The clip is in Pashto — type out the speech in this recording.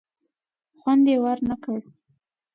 خوند یې ور نه کړ.